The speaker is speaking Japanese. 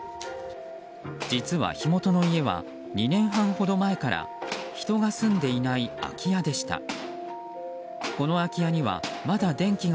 実は火元の家は２年半ほど前から人が住んでいない空き家でした。